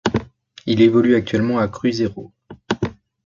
Il évolue actuellement à Cruzeiro.